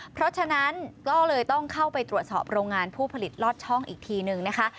เพราะฉะนั้นก็เลยต้องเข้าไปตรวจสอบโรงงานผู้ผลิตลอดช่องอีกทีนึงนะคะ